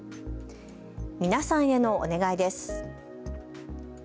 皆さんへのお願いです。